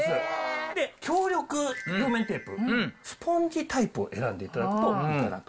強力両面テープ、スポンジタイプを選んでいただくといいかなと。